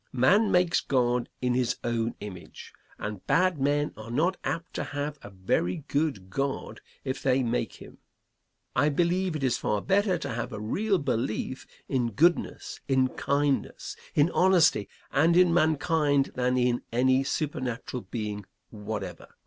Man makes God in his own image, and bad men are not apt to have a very good God if they make him. I believe it is far better to have a real belief in goodness, in kindness, in honesty and in mankind than in any supernatural being whatever.